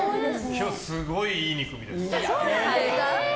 今日、すごいいい肉みたいです。